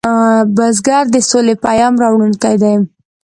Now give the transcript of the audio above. بزګر د سولې پیام راوړونکی دی